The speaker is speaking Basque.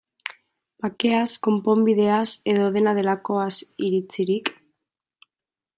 Bakeaz, konponbideaz, edo dena delakoaz iritzirik?